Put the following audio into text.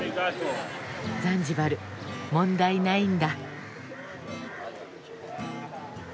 ザンジバル問題ないんだ。